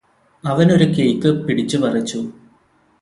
അവനൊരു കേക്ക് പിടിച്ചുപറിച്ചു